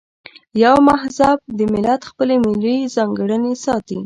یو مهذب ملت خپلې ملي ځانګړنې ساتي.